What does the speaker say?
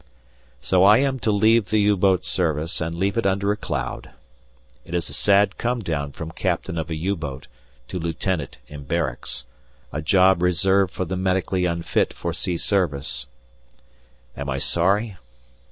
So I am to leave the U boat service, and leave it under a cloud! It is a sad come down from Captain of a U boat to Lieutenant in barracks, a job reserved for the medically unfit for sea service. Am I sorry?